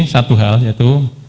satu hal yaitu